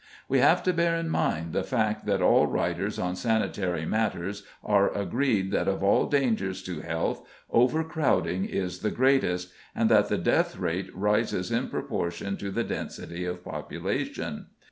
We have to bear in mind the fact that all writers on sanitary matters are agreed that of all dangers to health, overcrowding is the greatest, and that the death rate rises in proportion to the density of population.